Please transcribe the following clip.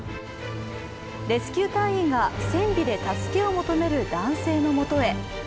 レスキュー隊員が船尾で助けを求める男性の元へ。